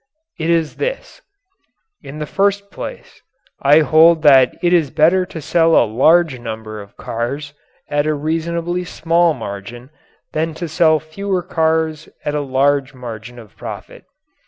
It is this: In the first place, I hold that it is better to sell a large number of cars at a reasonably small margin than to sell fewer cars at a large margin of profit.